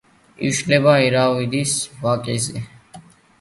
იშლება ირავადის ვაკეზე.